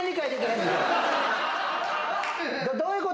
どういうこと？